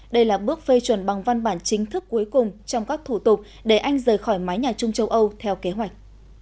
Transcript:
đây là bước phê chuẩn bằng văn bản chính thức cuối cùng trong các thủ tục để anh rời khỏi mái nhà chung châu âu theo kế hoạch